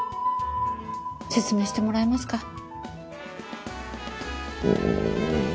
説明してもらえますか？